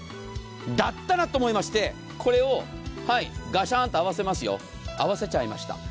だったらと思いまして、これをガシャンと合わせますよ合わせちゃいました。